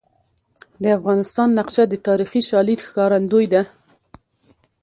د افغانستان نقشه د تاریخي شالید ښکارندوی ده.